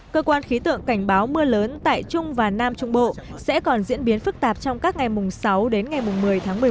cơ quan khí tượng cảnh báo mưa lớn tại trung và nam trung bộ sẽ còn diễn biến phức tạp trong các ngày mùng sáu đến ngày một mươi tháng một mươi một